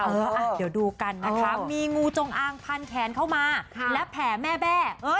เดี๋ยวดูกันนะคะมีงูจงอางพันแขนเข้ามาและแผ่แม่แบ้